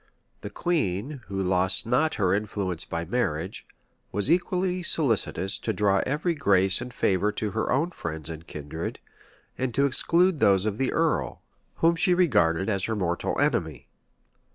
The queen, who lost not her influence by marriage, was equally solicitous to draw every grace and favor to her own friends and kindred, and to exclude those of the earl, whom she regarded as her mmortal enemy.